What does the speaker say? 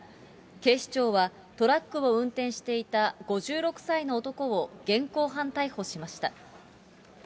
警視庁はトラックを運転していた５６歳の男を現行犯逮捕しました。